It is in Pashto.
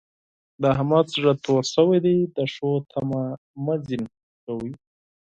د احمد زړه تور شوی دی؛ د ښو تمه مه ور څځه کوئ.